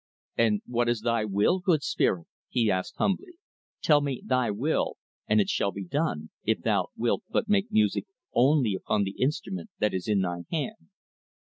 "And what is thy will, good spirit?" he asked, humbly "tell me thy will and it shall be done if thou wilt but make music only upon the instrument that is in thy hand."